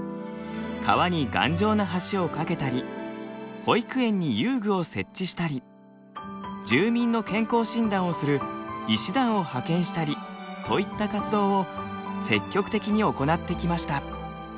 川に頑丈な橋を架けたり保育園に遊具を設置したり住民の健康診断をする医師団を派遣したりといった活動を積極的に行ってきました。